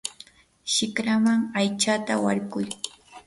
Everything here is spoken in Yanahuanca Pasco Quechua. shikraman aytsata warkuy.